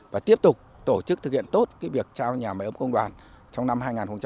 và tiếp tục tổ chức thực hiện tốt việc trao nhà máy ấm công đoàn trong năm hai nghìn hai mươi